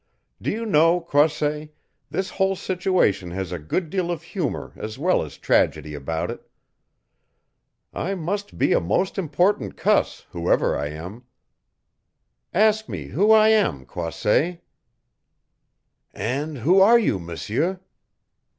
"Do you know, Croisset, this whole situation has a good deal of humor as well as tragedy about it. I must be a most important cuss, whoever I am. Ask me who I am, Croisset?" "And who are you, M'seur?"